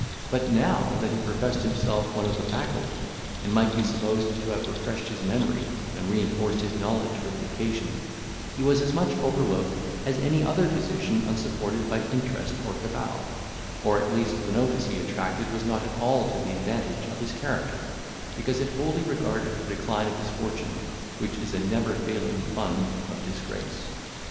But, now that he professed himself one of the faculty, and might be supposed to have refreshed his memory, and reinforced his knowledge for the occasion, he was as much overlooked as any other physician unsupported by interest or cabal; or, at least, the notice he attracted was not at all to the advantage of his character, because it wholly regarded the decline of his fortune, which is a never failing fund of disgrace.